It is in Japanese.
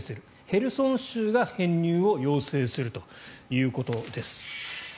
ヘルソン州が編入を要請するということです。